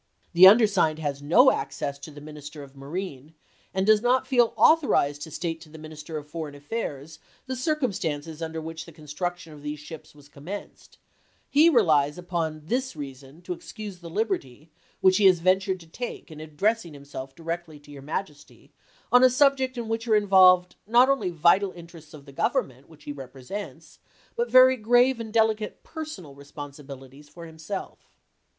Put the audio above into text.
the undersigned has no access to the Minister of Marine, and does not feel authorized to state to the Minister of Foreign Affairs the circumstances under which the construction of these ships was commenced; he rehes upon this reason to excuse the liberty which he has ventured to take in ad dressing himself directly to your Majesty on a subject in which are involved not only vital in terests of the Grovernment which he represents, but very grave and delicate personal responsibil ities for himself."